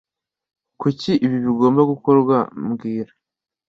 Kuki ibi bigomba gukorwa mbwira